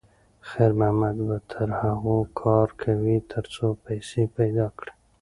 خیر محمد به تر هغو کار کوي تر څو پیسې پیدا کړي.